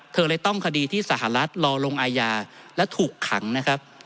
เลยต้องคดีที่สหรัฐรอลงอาญาและถูกขังนะครับ